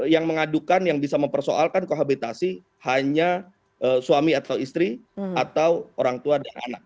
yang mengadukan yang bisa mempersoalkan kohabitasi hanya suami atau istri atau orang tua dan anak